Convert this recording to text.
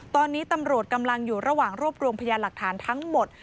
ตอนนี้ตำรวจกำลังอยู่ระหว่างรวบรวมพยานหลักฐานทั้งหมด